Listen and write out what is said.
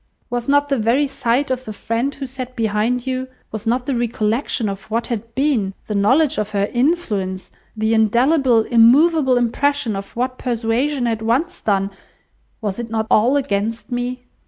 Was not the very sight of the friend who sat behind you, was not the recollection of what had been, the knowledge of her influence, the indelible, immoveable impression of what persuasion had once done—was it not all against me?"